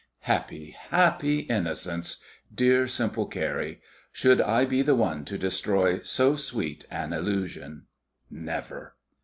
Happy, happy innocence! dear simple Carrie! Should I be the one to destroy so sweet an illusion? Never!